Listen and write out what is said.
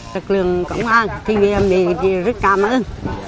lực lượng công an thì mình rất cảm ơn